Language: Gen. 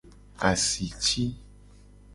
Asiti.